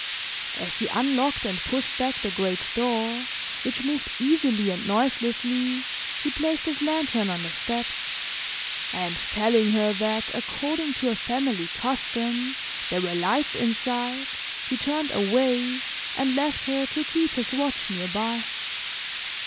As he unlocked and pushed back the great door which moved easily and noiselessly, he placed his lantern on the steps, and telling her that, according to a family custom, there were lights inside, he turned away, and left her, to keep his watch near by.